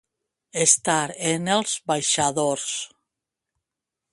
Estar en els baixadors.